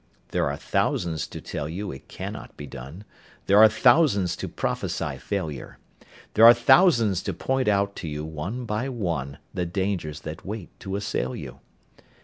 There are thousands to tell you it cannot be done, There are thousands to prophesy failure; There are thousands to point out to you one by one, The dangers that wait to assail you.